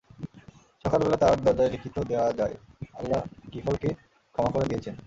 সকাল বেলা তার দরজায় লিখিত দেখা যায়, আল্লাহ কিফলকে ক্ষমা করে দিয়েছেন।